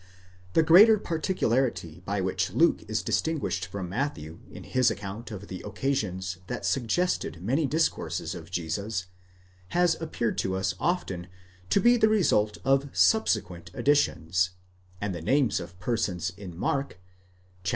The greater particularity by which Luke is distinguished from Matthew in his account of the occasions that suggested many discourses of Jesus, has appeared to us often to be the result of subse quent additions; and the names of persons in Mark (xiii.